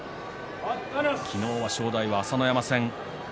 昨日は正代は朝乃山戦。